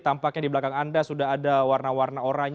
tampaknya di belakang anda sudah ada warna warna oranye